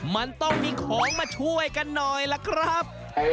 มันต้องมีของมาช่วยกันหน่อยล่ะครับ